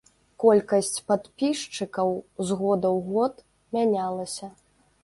Колькасць падпісчыкаў з года ў год мянялася.